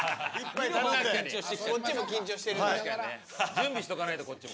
準備しとかないとこっちも。